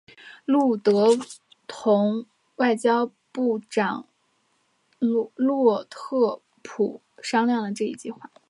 路德同外交部长里宾特洛甫商讨了这一计划。